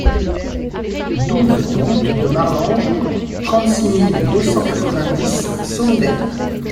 douze route de Marlanges, trente-six mille deux cent quatre-vingt-dix Saulnay